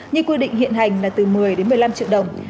như quy định hiện hành là từ một mươi đến một mươi năm triệu đồng